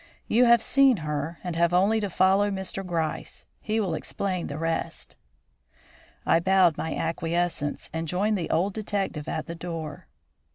You have seen her, and have only to follow Mr. Gryce; he will explain the rest." I bowed my acquiescence, and joined the old detective at the door.